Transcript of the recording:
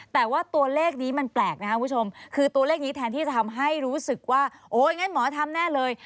แต่ว่าตัวเลขนี้มันแปลกนะครับคุณผู้ชมคือตัวเลขนี้แทนที่จะทำให้รู้สึกว่าโอ๊ยงั้นหมอทำแน่เลย